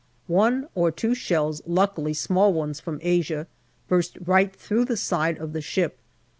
One or two shells, luckily small ones from Asia, burst right through the side of the ship.